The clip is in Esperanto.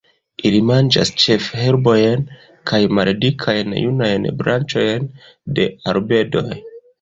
Ili manĝas ĉefe herbojn kaj maldikajn junajn branĉojn de arbedoj.